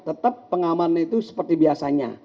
tetap pengaman itu seperti biasanya